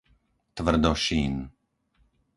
Tvrdošín